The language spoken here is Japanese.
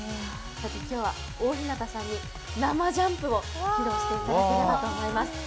今日は大日向さんに生ジャンプを披露していただきたいと思います。